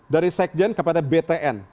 dari sekjen kepada btn